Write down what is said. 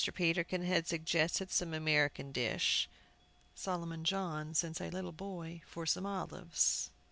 Peterkin had suggested some American dish. Solomon John sent a little boy for some olives.